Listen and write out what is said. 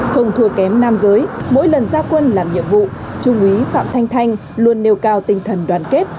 không thua kém nam giới mỗi lần ra quân làm nhiệm vụ trung úy phạm thanh thanh luôn nêu cao tinh thần đoàn kết